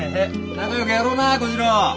仲よくやろうな小次郎。